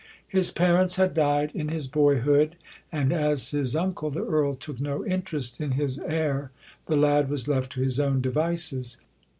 His parents had died in his boyhood; and as his uncle, the Earl, took no interest in his heir, the lad was left to his own devices.